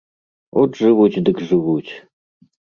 От жывуць, дык жывуць!